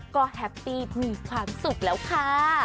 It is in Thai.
ก็แฮปปี้มีความสุขแล้วค่ะ